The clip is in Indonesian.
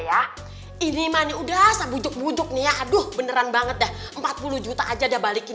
ya ini mani udah saya bujuk bujuk nih ya aduh beneran banget dah empat puluh juta aja udah balikin